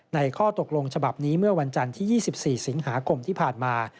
ข้อตกลงฉบับนี้เมื่อวันจันทร์ที่๒๔สิงหาคมที่ผ่านมา